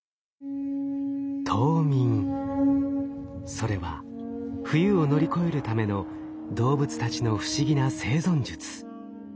それは冬を乗り越えるための動物たちの不思議な生存術。